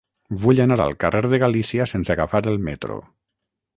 Vull anar al carrer de Galícia sense agafar el metro.